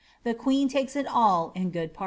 The queen takes it all in good pan."